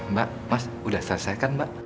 mbak mas udah selesai kan mbak